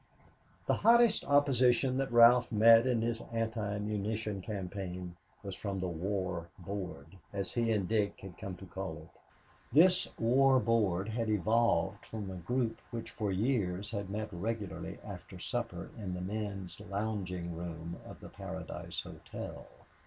The hottest opposition that Ralph met in his anti munition campaign was from the War Board, as he and Dick had come to call it. This War Board had evolved from a group which for years had met regularly after supper in the men's lounging room of the Paradise Hotel.